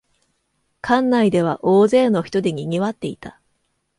館内では大勢の人でにぎわっていた